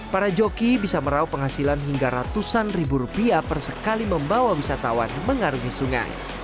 para joki bisa merauh penghasilan hingga ratusan ribu rupiah per sekali membawa wisatawan mengarungi sungai